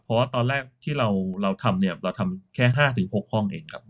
เพราะว่าตอนแรกที่เราทำเนี่ยเราทำแค่๕๖ห้องเองครับ